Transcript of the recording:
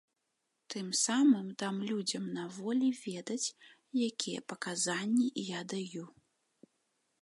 Тым самым дам людзям на волі ведаць якія паказанні я даю.